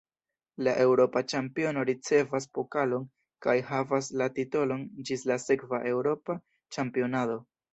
La eŭropa ĉampiono ricevas pokalon kaj havas la titolon ĝis la sekva eŭropa ĉampionado.